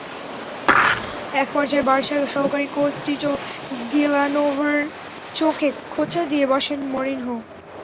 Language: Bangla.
একপর্যায়ে বার্সার সহকারী কোচ টিটো ভিলানোভার চোখে খোঁচা দিয়ে বসেন মরিনহো।